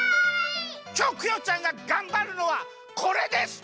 きょうクヨちゃんががんばるのはこれです！